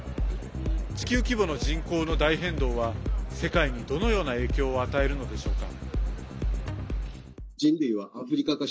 地球規模の人口の大変動は世界に、どのような影響を与えるのでしょうか。